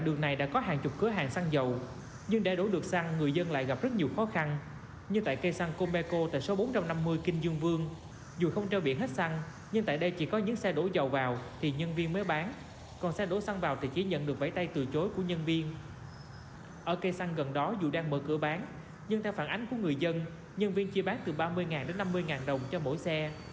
ở cây xăng gần đó dù đang mở cửa bán nhưng theo phản ánh của người dân nhân viên chia bán từ ba mươi năm mươi đồng cho mỗi xe